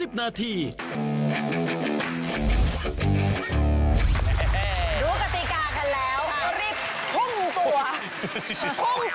รู้กฎีการกันแล้วเร็วรีบพุ่งตัว